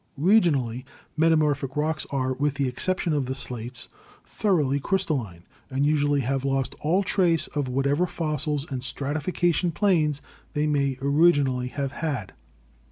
Regionally metamorphic rocks are, with the exception of the slates, thoroly crystalline, and usually have lost all STRUCTURAL GEOLOGY 175 trace of whatever fossils and stratification planes they may originally have had.